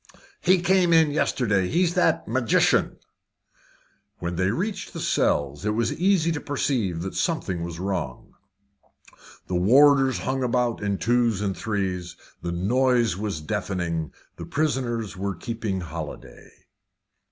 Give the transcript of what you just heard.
"He came in yesterday. It's that magician." When they reached the cells, it was easy to perceive that something was wrong. The warders hung about in twos and threes; the noise was deafening; the prisoners were keeping holiday.